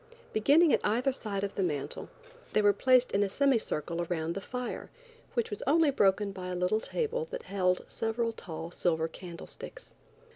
Beginning at either side of the mantel they were placed in a semi circle around the fire, which was only broken by a little table that held several tall silver candlesticks.